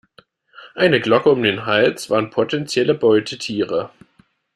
Eine Glocke um den Hals warnt potenzielle Beutetiere.